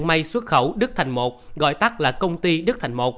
may xuất khẩu đức thành một gọi tắt là công ty đức thành một